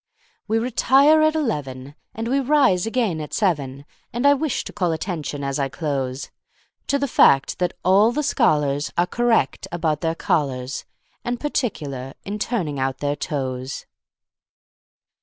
We retire at eleven, And we rise again at seven; And I wish to call attention, as I close, To the fact that all the scholarsAre correct about their collars, And particular in turning out their toes.